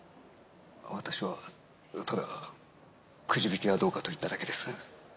私はただくじ引きはどうかと言っただけです。